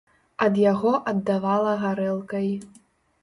Ад яго аддавала гарэлкай.